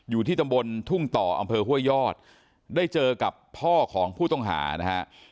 อยู่ที่ตำบลทุ่งต่ออำเภอห้วยยอดได้เจอกับพ่อของผู้ต้องหานะฮะ